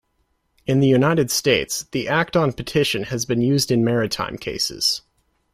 In the United States, the "act on petition" has been used in maritime cases.